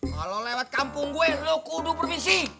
kalau lewat kampung gue lo kudu permisi